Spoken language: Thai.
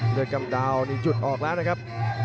เลือดกำดาวนี่จุดออกแล้วนะครับ